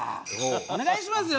お願いしますよ